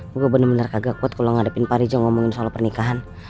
gue bener bener kagak kuat kalau ngadepin parija ngomongin soal pernikahan